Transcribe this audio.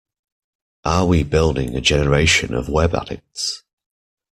Are we building a generation of web addicts?